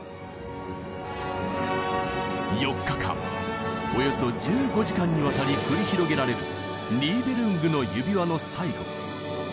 ４日間およそ１５時間にわたり繰り広げられる「ニーべルングの指環」の最後。